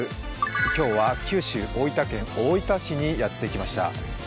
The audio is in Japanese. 今日は九州・大分県大分市にやってきました。